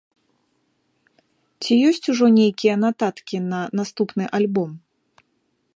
Ці ёсць ужо нейкія нататкі на наступны альбом?